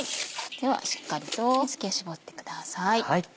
ではしっかりと水気絞ってください。